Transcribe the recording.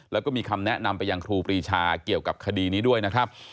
แล้วก็มีคำแนะนำไปยังครูปรีชาเกี่ยวกับคดีนี้ด้วยนะครับ